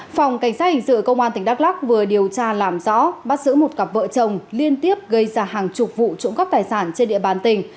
phòng cảnh sát hình sự công an tỉnh đắk lắc vừa điều tra làm rõ bắt giữ một cặp vợ chồng liên tiếp gây ra hàng chục vụ trộm cắp tài sản trên địa bàn tỉnh